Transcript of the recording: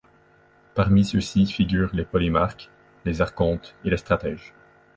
Parmi-ceux ci figurent les polémarques, les archontes et les stratèges.